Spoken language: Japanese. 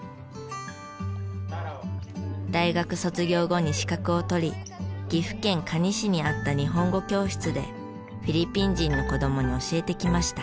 大学卒業後に資格を取り岐阜県可児市にあった日本語教室でフィリピン人の子供に教えてきました。